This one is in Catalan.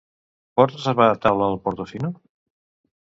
Pots reservar taula al Portofino?